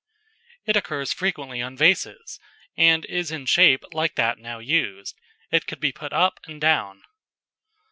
"] It occurs frequently on vases, and is in shape like that now used. It could be put up and down.